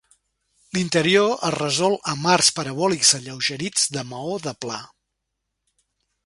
L'interior es resol amb arcs parabòlics alleugerits de maó de pla.